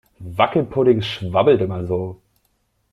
Wackelpudding schwabbelt immer so.